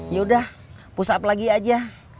yaudah push up lagi aja